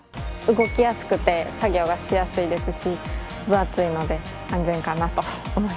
動きやすくて作業がしやすいですし分厚いので安全かなと思います。